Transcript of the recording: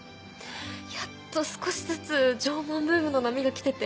やっと少しずつ縄文ブームの波が来てて。